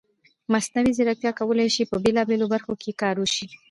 مصنوعي ځیرکتیا کولی شي په بېلابېلو برخو کې کار وشي.